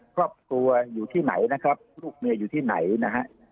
ครอบครัวอยู่ที่ไหนนะครับลูกเมียอยู่ที่ไหนนะฮะ